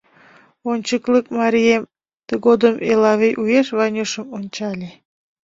Ончыклык марием... — тыгодым Элавий уэш Ванюшым ончале.